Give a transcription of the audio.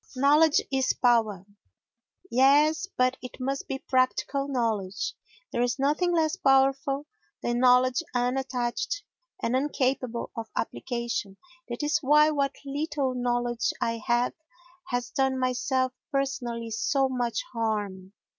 Knowledge is Power Yes, but it must be practical knowledge. There is nothing less powerful than knowledge unattached, and incapable of application. That is why what little knowledge I have has done myself personally so much harm.